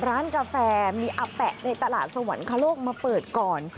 ร้านกาแฟมีอาแปะในตลาดสวรรคโลกมาเปิดก่อน